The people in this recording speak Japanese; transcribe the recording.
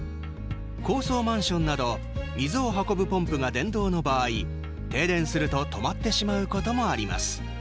高層マンションなど水を運ぶポンプが電動の場合停電すると止まってしまうこともあります。